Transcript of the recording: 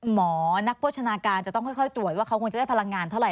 หมอนักโภชนาการจะต้องค่อยตรวจว่าเขาคงจะได้พลังงานเท่าไห